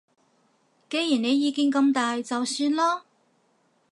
既然你意見咁大就算啦